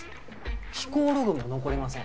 飛行ログも残りません